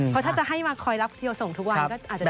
เพราะถ้าจะให้มาคอยรับเทียวส่งทุกวันก็อาจจะได้